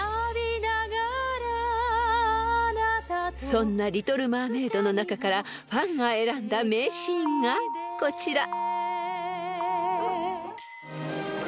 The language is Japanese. ［そんな『リトル・マーメイド』の中からファンが選んだ名シーンがこちら］